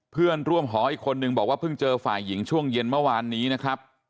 เพื่อนร่วมหออีกคนนึงบอกว่าเพิ่งเจอฝ่ายหญิงช่วงเย็นเมื่อวานนี้นะครับ